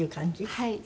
はい。